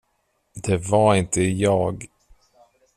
Det var inte jag.